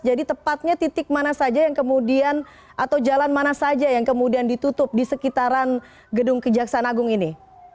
jadi tepatnya titik mana saja yang kemudian atau jalan mana saja yang kemudian ditutup di sekitaran gedung kejaksaan agung ini